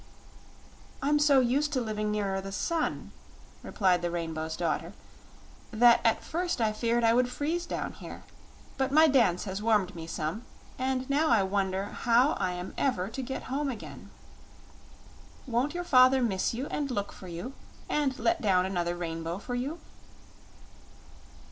"I'm so used to living nearer the sun," replied the Rainbow's Daughter, "that at first I feared I would freeze down here. But my dance has warmed me some, and now I wonder how I am ever to get home again." "Won't your father miss you, and look for you, and let down another rainbow for you?"